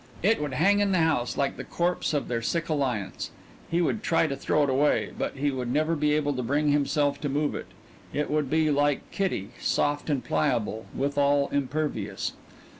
It would hang in the house like the corpse of their sick alliance. He would try to throw it away, but he would never be able to bring himself to move it. It would be like Kitty, soft and pliable, withal impervious.